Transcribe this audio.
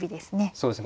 そうですね。